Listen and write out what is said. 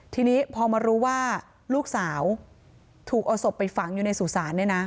ทีนี้พอมารู้ว่าลูกสาวถูกเอาศพไปฝังอยู่ในสู่ศาล